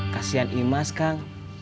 kasian imas kang